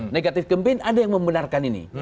negatif campaign ada yang membenarkan ini